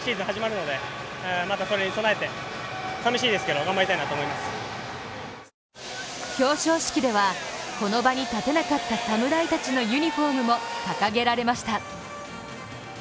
・トラウトは大谷について表彰式ではこの場に立てなかった侍たちのユニフォームも掲げられました。